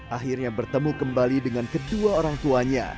akhirnya bertemu kembali dengan kedua orang tuanya